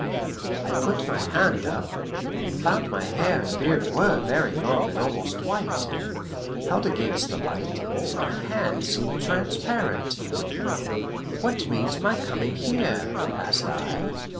I put my hand up, and I found my hair and beard were very long and almost white. Held against the light, my hands seemed transparent. "What means my coming here?" asked I.